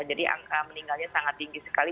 jadi angka meninggalnya sangat tinggi sekali